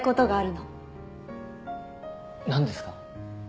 何ですか？